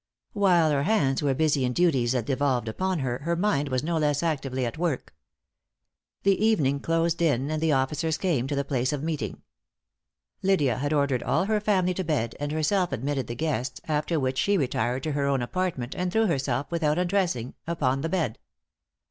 While her hands were busy in duties that devolved upon her, her mind was no less actively at work. The evening closed in, and the officers came to the place of meeting. Lydia had ordered all her family to bed, and herself admitted the guests, after which she retired to her own apartment, and threw herself, without undressing, upon the bed.